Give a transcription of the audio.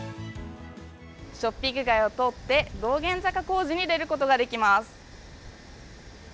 ショッピング街を通って、道玄坂小路に出ることができます。